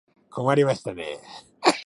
困りましたね。